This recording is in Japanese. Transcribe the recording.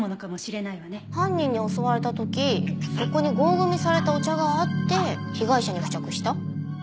犯人に襲われた時そこに合組されたお茶があって被害者に付着した？